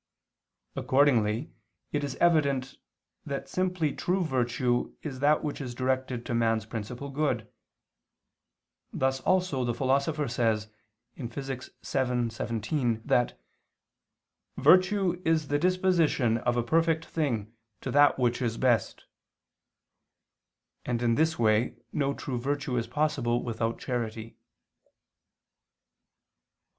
Accordingly it is evident that simply true virtue is that which is directed to man's principal good; thus also the Philosopher says (Phys. vii, text. 17) that "virtue is the disposition of a perfect thing to that which is best": and in this way no true virtue is possible without charity.